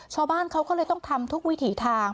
ชาวบ้านเขาก็เลยต้องทำทุกวิถีทาง